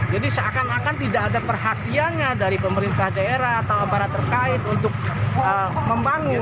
jadi seakan akan tidak ada perhatiannya dari pemerintah daerah atau barat terkait untuk membangun